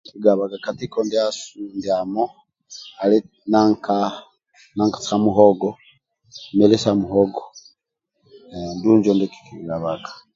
ndie kiki gubaga ka tiko ndiamo ali muhogo mili sa muhogo andulu injo ndikiki gabaga